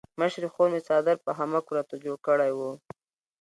مشرې خور مې څادر په خامکو راته جوړ کړی وو.